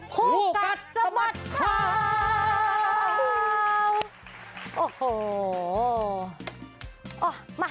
ผู้ตัดสะบัดข่าว